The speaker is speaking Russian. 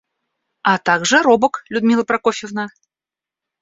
А также робок, Людмила Прокофьевна.